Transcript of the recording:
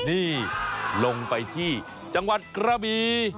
นี่ลงไปที่จังหวัดกระบี